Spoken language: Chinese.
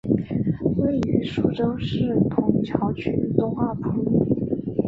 位于宿州市埇桥区东二铺。